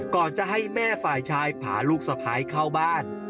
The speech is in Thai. ก่อนจะให้แม่ฝ่ายชายพาลูกสะพ้ายเข้าบ้าน